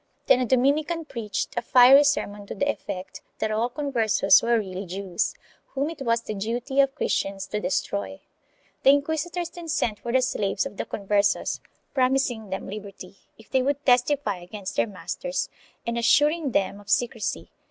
Then a Dominican preached a fiery sermon to the effect that all Conversos were really Jews, whom it was the duty of Christians to destroy. The inquisitors then sent for the slaves of the Conversos, promising them liberty if they would testify against their masters and assuring them of secrecy.